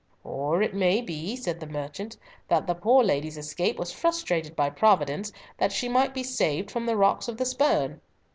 "Or it may be," said the merchant, "that the poor lady's escape was frustrated by Providence, that she might be saved from the rocks of the Spurn."